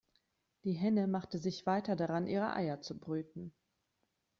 Die Henne machte sich weiter daran, ihre Eier zu brüten.